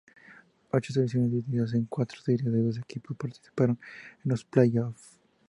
Ocho selecciones, divididas en cuatro series de dos equipos, participaron en los play-offs.